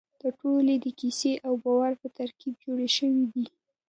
دا ټول د کیسې او باور په ترکیب جوړ شوي دي.